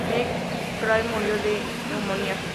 McCrae murió de neumonía.